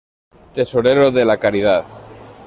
Tesorero de "La Caridad".